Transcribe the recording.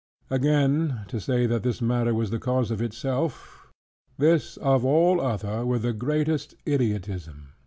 Again, to say that this matter was the cause of itself; this, of all other, were the greatest idiotism.